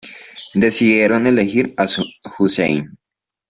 Decidieron elegir a Husayn.